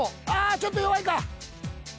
ちょっと弱い。